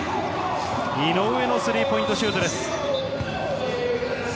井上のスリーポイントシュートです。